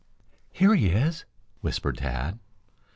"Here he is," whispered Tad.